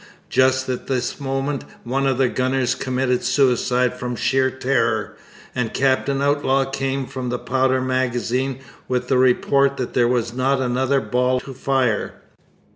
Just at this moment one of the gunners committed suicide from sheer terror, and Captain Outlaw came from the powder magazine with the report that there was not another ball to fire.